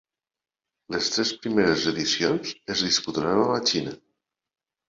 Les tres primeres edicions es disputaran a la Xina.